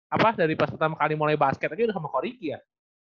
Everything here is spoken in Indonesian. apa dari pas pertama kali mulai basket aja udah sama koriki ya